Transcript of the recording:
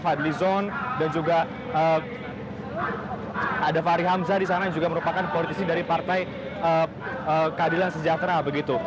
fadli zon dan juga ada fahri hamzah di sana yang juga merupakan politisi dari partai keadilan sejahtera begitu